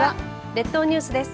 列島ニュースです。